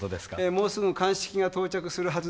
もうすぐ鑑識が到着するはずです。